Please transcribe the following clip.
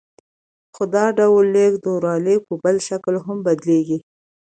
خو دا ډول لېږد رالېږد په بل شکل هم بدلېږي